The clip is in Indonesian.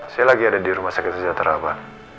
saya lagi ada di rumah sakit sejahtera pak